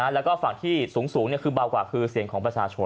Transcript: แล้วก็ฝั่งที่สูงคือเบากว่าคือเสียงของประชาชน